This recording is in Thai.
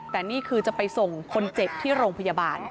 แต่นี่คือจะไปส่งคนเจ็บที่โรงพยาบาล